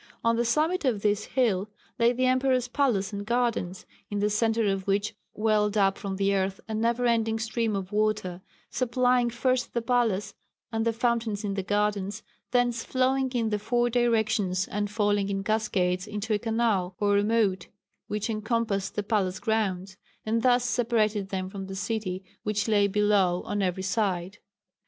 On the summit of this hill lay the emperor's palace and gardens, in the centre of which welled up from the earth a never ending stream of water, supplying first the palace and the fountains in the gardens, thence flowing in the four directions and falling in cascades into a canal or moat which encompassed the palace grounds, and thus separated them from the city which lay below on every side.